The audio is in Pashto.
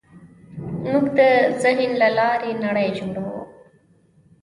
موږ د ذهن له لارې نړۍ جوړوو.